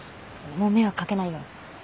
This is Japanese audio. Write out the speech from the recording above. もう迷惑かけないように。